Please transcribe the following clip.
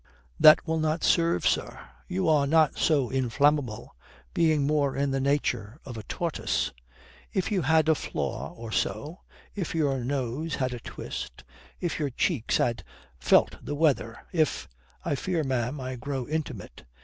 "That will not serve, sir. You are not so inflammable. Being more in the nature of a tortoise." "If you had a flaw or so: if your nose had a twist; if your cheeks had felt the weather; if I fear, ma'am, I grow intimate.